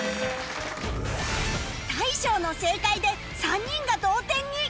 大昇の正解で３人が同点に